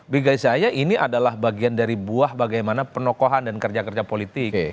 bagi saya ini adalah bagian dari buah bagaimana penokohan dan kerja kerja politik